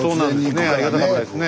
ねありがたかったですね。